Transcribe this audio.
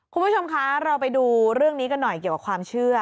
คุณผู้ชมคะเราไปดูเรื่องนี้กันหน่อยเกี่ยวกับความเชื่อ